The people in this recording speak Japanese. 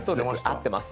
合ってます。